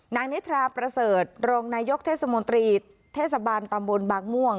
นายนิทราประเสริฐรองนายกเทศมนตรีเทศบาลตำบลบางม่วง